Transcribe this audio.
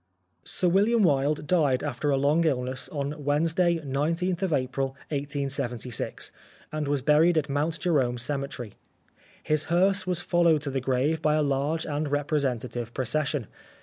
Sir William Wilde died after a long illness on Wednesday, 19th April 1876, and was buried at Mount Jerome cemetery. His hearse was followed to the grave by a large and representa tive procession.